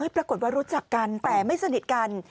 ปรากฏว่ารู้จักกันแต่ไม่สนิทกัน